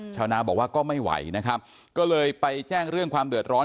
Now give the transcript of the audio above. ชาวนาบอกว่าก็ไม่ไหวนะครับก็เลยไปแจ้งเรื่องความเดือดร้อน